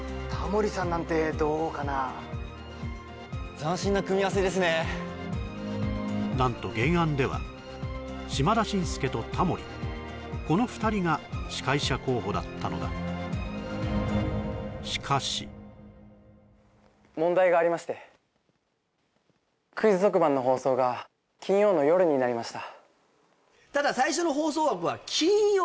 斬新な組み合わせですね何と原案では島田紳助とタモリこの２人が司会者候補だったのだしかし問題がありましてクイズ特番の放送が金曜の夜になりました